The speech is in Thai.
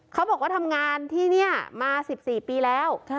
เขาบอกว่าทำงานที่นี่มา๑๔ปีแล้ว